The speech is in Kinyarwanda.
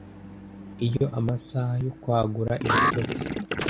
iyo amasaha yo kwagura ibitotsi